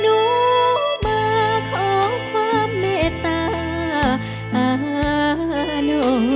หนูมาขอความเมตตาหน่อย